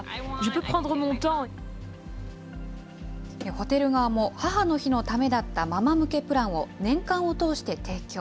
ホテル側も、母の日のためだったママ向けプランを、年間を通して提供。